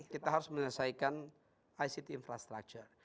kita harus menyelesaikan ict infrastructure